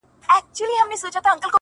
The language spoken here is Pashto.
تر مرگه پوري هره شـــپــــــه را روان~